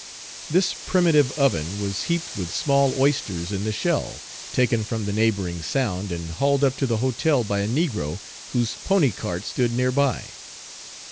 This primitive oven was heaped with small oysters in the shell, taken from the neighboring sound, and hauled up to the hotel by a negro whose pony cart stood near by.